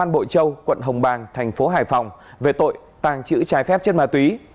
bội châu quận hồng bàng thành phố hải phòng về tội tàng trữ trái phép chất ma túy